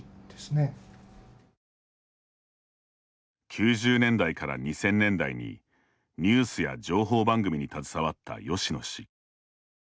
９０年代から２０００年代にニュースや情報番組に携わった吉野氏。